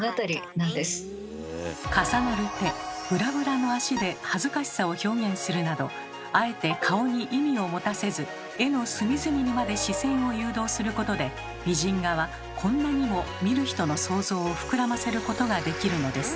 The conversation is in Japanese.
重なる手ぶらぶらの足で恥ずかしさを表現するなどあえて顔に意味を持たせず絵の隅々にまで視線を誘導することで美人画はこんなにも見る人の想像を膨らませることができるのです。